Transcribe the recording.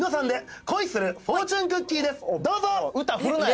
歌ふるなや！